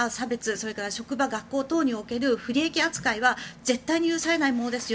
それから職場、学校等における不利益扱いは絶対に許されないものですよ